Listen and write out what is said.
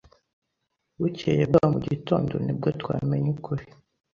Bukeye bwaho mu gitondo, ni bwo twamenye ukuri.